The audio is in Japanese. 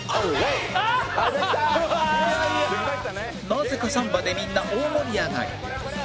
なぜかサンバでみんな大盛り上がり